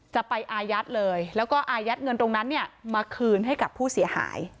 จะไปอายัดเลยแล้วก็อายัดเงินตรงนั้นเนี่ยมาคืนให้กับผู้เสียหาย